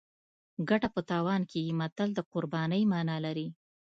ګټه په تاوان کیږي متل د قربانۍ مانا لري